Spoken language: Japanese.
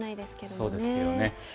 そうですよね。